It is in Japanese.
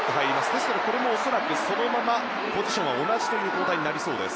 ですから、これも恐らくそのままポジションは同じという交代になりそうです。